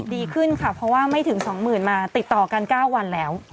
ดีขึ้นค่ะเพราะว่าไม่ถึง๒๐๐๐มาติดต่อกัน๙วันแล้ว